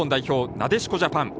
なでしこジャパン。